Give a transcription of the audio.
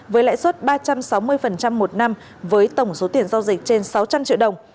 với lãi suất ba trăm sáu mươi một năm với tổng số tiền giao dịch trên sáu trăm linh triệu đồng